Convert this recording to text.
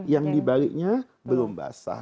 yang dibaliknya belum basah